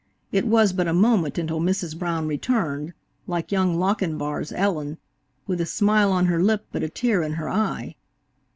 It was but a moment until Mrs. Brown returned, like young Lochinvar's Ellen, "with a smile on her lip but a tear in her eye."